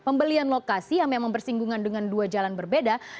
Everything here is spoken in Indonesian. pembelian lokasi yang memang bersinggungan dengan dua jalan berbeda